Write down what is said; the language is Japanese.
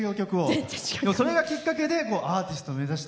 それがきっかけでアーティストを目指して。